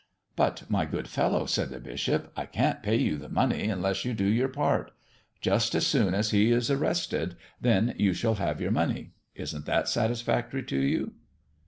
"But, my good fellow," said the bishop, "I can't pay you the money unless you do your part. Just as soon as He is arrested, then you shall have your money. Isn't that satisfactory to you?"